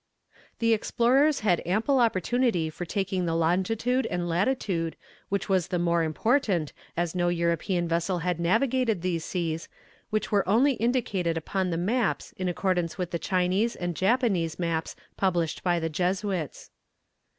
The explorers had ample opportunity for taking the longitude and latitude, which was the more important, as no European vessel had navigated these seas, which were only indicated upon the maps in accordance with the Chinese and Japanese maps published by the Jesuits.